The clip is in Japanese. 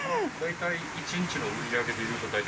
１日の売り上げでいうと大体。